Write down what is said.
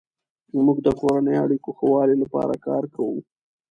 مور د کورنیو اړیکو ښه والي لپاره کار کوي.